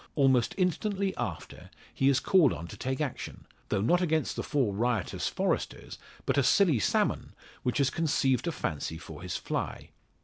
Almost instantly after he is called on to take action, though not against the four riotous Foresters, but a silly salmon, which has conceived a fancy for his fly.